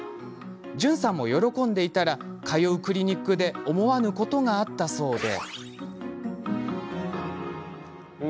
じゅんさんも喜んでいたら通うクリニックで思わぬことがあったそうです。